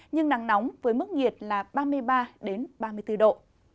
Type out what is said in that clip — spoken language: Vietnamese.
nhưng nắng nóng với mức nhiệt ba mươi ba đến ba mươi bốn độ